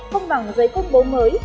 không bằng giấy công bố mới